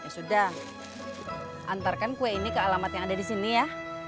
sudah antarkan kue ini ke alamat yang ada di sini ya